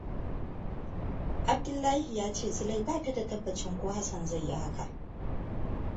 Abdullahi ya ce Zulai ba ta da tabbacin ko Hassan zai yi haka.